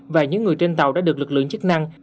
và những người trên tàu đã được lực lượng chức năng